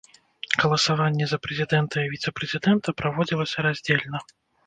Галасаванне за прэзідэнта і віцэ-прэзідэнта праводзілася раздзельна.